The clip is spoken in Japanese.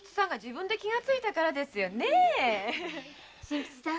真吉さん